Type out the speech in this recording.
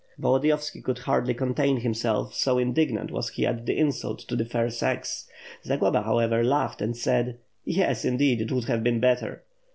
Volodiyovski could hardly contain himself, so indignant was he at the insult to the fair sex. Zagloba, however, laughed and said: "Yes, indeed it would have been better."